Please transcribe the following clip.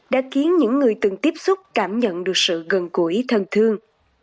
đã khiến những người từng tiếp xúc cảm nhận được sự gần gũi thân thương